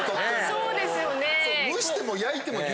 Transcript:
そうですよね？